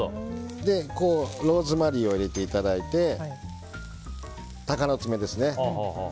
ローズマリーを入れていただいて鷹の爪ですね。